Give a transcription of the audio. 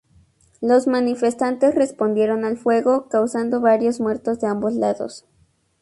Los manifestantes respondieron al fuego, causando varios muertos de ambos lados.